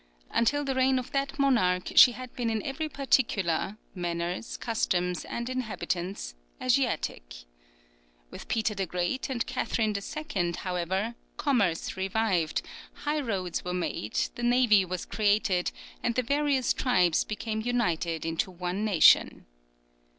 Until the reign of that monarch she had been in every particular manners, customs, and inhabitants Asiatic. With Peter the Great and Catherine II., however, commerce revived, high roads were made, the navy was created, and the various tribes became united into one nation.